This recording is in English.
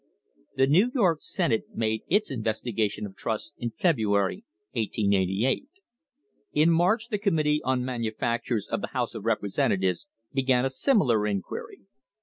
* The New York Senate made its investigation of trusts in February, 1888. In March the Committee on Manufactures of the House of Representatives began a similar inquiry.